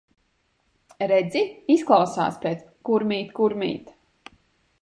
Redzi, izklausās pēc "Kurmīt, kurmīt".